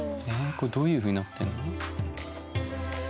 これどういうふうになってるの？